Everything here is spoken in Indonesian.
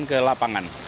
kemudian ke lapangan